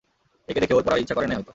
একে দেখে ওর পরার ইচ্ছা করে নাই হয়ত।